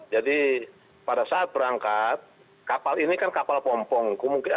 jadi pada saat berangkat kapal ini kan kapal pompong